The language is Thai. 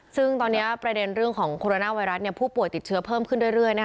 ซึ่งตอนนี้ประเด็นเรื่องของโคโรนาไวรัสผู้ป่วยติดเชื้อเพิ่มขึ้นเรื่อย